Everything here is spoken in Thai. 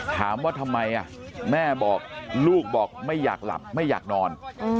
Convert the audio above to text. ถามว่าทำไมแม่บอกลูกบอกไม่อยากหลับไม่อยากนอน